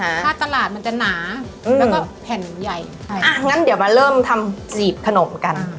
ถ้าตลาดมันจะหนาแล้วก็แผ่นใหญ่อ่ะงั้นเดี๋ยวมาเริ่มทำจีบขนมกัน